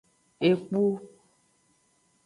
Ekpu.